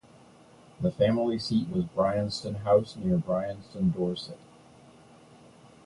The family seat was Bryanston House, near Bryanston, Dorset.